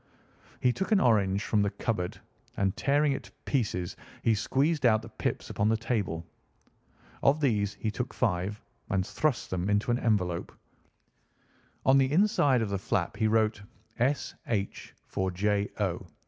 He took an orange from the cupboard, and tearing it to pieces he squeezed out the pips upon the table. Of these he took five and thrust them into an envelope. On the inside of the flap he wrote "S. H. for J. O."